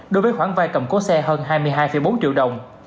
đối với khoản vai cầm cố xe hơn hai mươi hai bốn triệu đồng